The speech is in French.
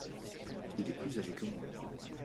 Il est plus agé que moi.